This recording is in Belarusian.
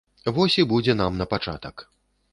Вось і будзе нам на пачатак.